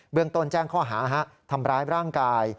เมืองต้นแจ้งข้อหาทำร้ายร่างกาย